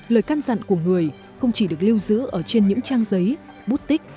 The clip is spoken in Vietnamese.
lời can dặn của người không chỉ được lưu giữ ở trên những trang giấy bút tích